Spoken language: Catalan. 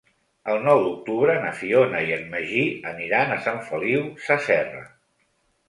El nou d'octubre na Fiona i en Magí aniran a Sant Feliu Sasserra.